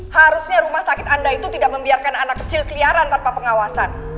harusnya rumah sakit anda itu tidak membiarkan anak kecil keliaran tanpa pengawasan